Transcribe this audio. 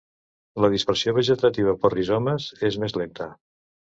La dispersió vegetativa per rizomes és més lenta.